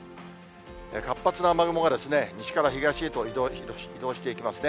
活発な雨雲が西から東へと移動していきますね。